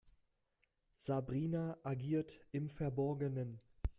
Sabrina agiert im Verborgenen.